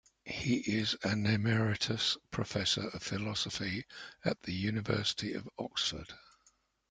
He is an Emeritus Professor of Philosophy at the University of Oxford.